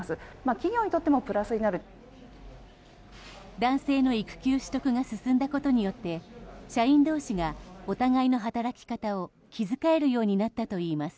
男性の育休取得が進んだことによって社員同士がお互いの働き方を気遣えるようになったといいます。